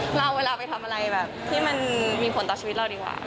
เราเอาเวลาไปทำอะไรแบบที่มันมีผลต่อชีวิตเราดีกว่า